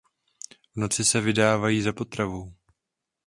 V noci se vydávají za potravou.